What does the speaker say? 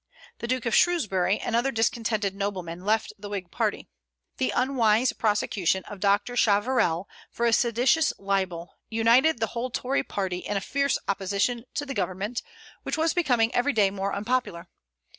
The Duke of Shrewsbury and other discontented noblemen left the Whig party. The unwise prosecution of Dr. Sacheverell for a seditious libel united the whole Tory party in a fierce opposition to the Government, which was becoming every day more unpopular.